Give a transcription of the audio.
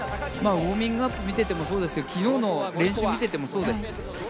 ウォーミングアップを見ていてもそうですけど昨日の練習を見ていてもそうです。